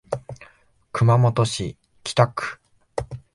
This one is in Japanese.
熊本市北区